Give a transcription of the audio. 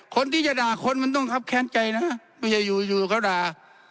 คนที่จะด่าคนมันถึงต้องครับแขนใจนะเพราะอยู่พวกเขาด่า